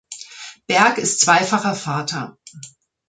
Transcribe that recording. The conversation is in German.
Berg ist zweifacher Vater.